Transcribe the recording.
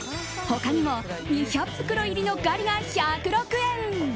他にも２００袋入りのガリが１０６円。